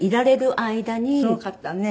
すごかったわね。